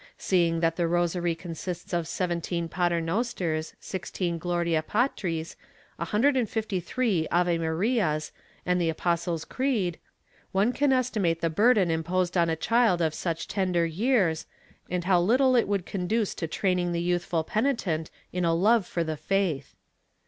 Seeing that the rosary con sists of seventeen Paternosters, sixteen Gloria Patris, a hundred and fifty three Ave Marias and the Apostles' Creed, one can esti mate the burden imposed on a child of such tender years and how little it would conduce to training the youthful penitent in a love for the faith.